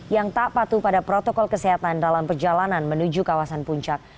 yang tak patuh pada protokol kesehatan dalam perjalanan menuju kawasan puncak